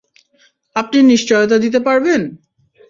আপনি নিশ্চয়তা দিতে পারবেন?